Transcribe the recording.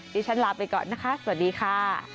ดิฉันลาไปก่อนนะคะสวัสดีค่ะ